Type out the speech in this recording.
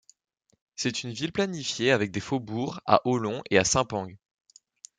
C’est une ville planifiée avec des faubourgs à Au Long et à Simpang.